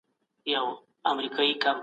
د دې جهيلونو اوبه ډېرې روښانه او شین رنګ لري.